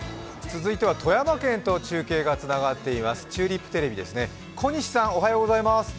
続いては、富山県と中継がつながっています。